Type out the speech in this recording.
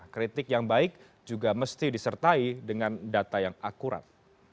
kritik yang baik juga mesti disertai dengan data yang akurat